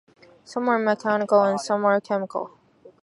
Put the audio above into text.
Some are mechanical and some are chemical.